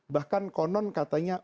bahkan konon katanya